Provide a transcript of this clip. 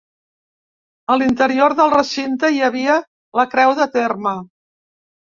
A l'interior del recinte, hi havia la creu de terme.